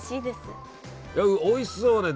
おいしそうね